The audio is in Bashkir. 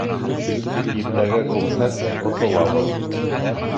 Иртәгә күмһәк, ҡотолабыҙ.